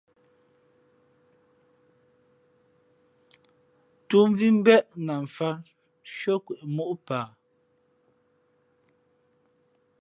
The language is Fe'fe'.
Tú mvī mbéʼ na mfāt nshʉ́ά kwe móʼ paa.